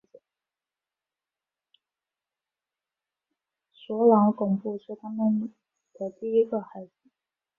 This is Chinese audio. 索朗贡布是他们的第一个孩子。